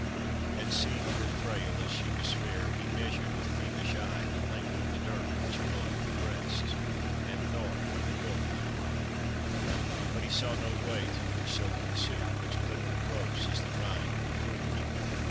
And seeing her frail, as she was fair, He measured with thievish eye The length of the dirk which clove her breast, And thought where the hilt might lie; But he saw no way through her silken suit, Which dipt her close as the rind the fruit.